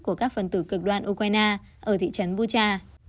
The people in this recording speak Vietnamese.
của các phần tử cực đoan ukraine ở thị trấn bucha